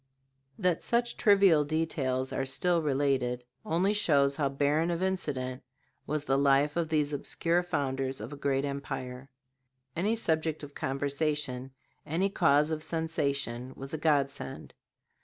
That such trivial details are still related, only shows how barren of incident was the life of these obscure founders of a great empire. Any subject of conversation, any cause of sensation, was a godsend.